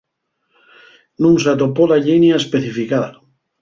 Nun s'atopó la llinia especificada.